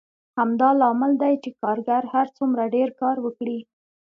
همدا لامل دی چې کارګر هر څومره ډېر کار وکړي